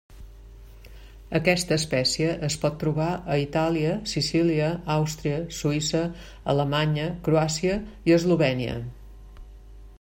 Aquesta espècie es pot trobar a Itàlia, Sicília, Àustria, Suïssa, Alemanya, Croàcia i Eslovènia.